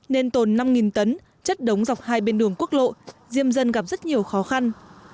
nên tồn năm tấn chất đống dọc hai bên đường quốc lộ diêm dân gặp rất nhiều khó khăn